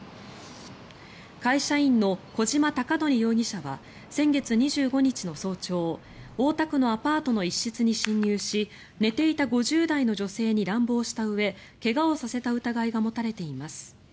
会社員の小島貴紀容疑者は先月２５日の早朝大田区のアパートの一室に侵入し寝ていた５０代の女性に乱暴したうえ怪我をさせた疑いが持たれています。